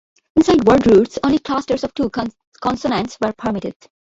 Inside word roots, only clusters of two consonants were permitted.